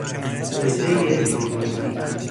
رژهی پیروزی